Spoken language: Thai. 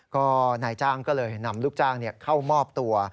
ก็นายจ้างก็เลยนำลูกจ้างเข้ามอบตัว